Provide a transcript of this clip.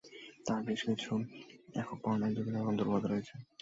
তাঁর বেশ কিছু একক বর্ণনায় বিভিন্ন রকম দুর্বলতা রয়েছে।